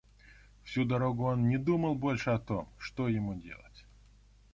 Всю дорогу он не думал больше о том, что ему делать.